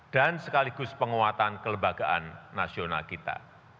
sekaligus penguatan kelembagaan nasional kita